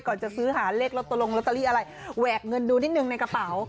ก่อนจะซื้อหาเลขรถตรงรถตรีอะไรแหวกเงินดูนิดหนึ่งในกระเป๋า